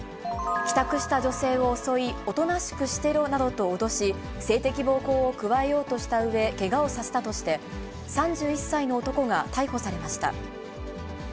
帰宅した女性を襲い、おとなしくしてろなどと脅し、性的暴行を加えようとしたうえ、けがをさせたとして、３１歳の男が逮捕されました。